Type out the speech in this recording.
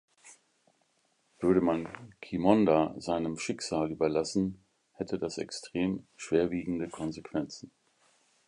Würde man Qimonda seinem Schicksal überlassen, hätte das extrem schwerwiegende Konsequenzen.